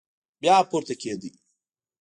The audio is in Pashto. بيا پورته کېده.